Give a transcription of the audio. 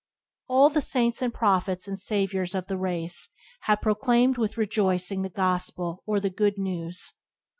All the saints and prophets and saviours of the race have proclaimed with rejoicing the "Gospel" or the "Good News".